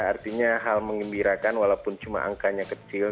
artinya hal mengembirakan walaupun cuma angkanya kecil